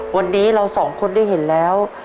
วันนี้เราสองคนได้เห็นแล้ว